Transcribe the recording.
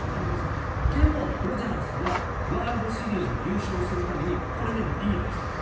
でも、ドジャースはワールドシリーズで優勝するためにこれでもいいですと。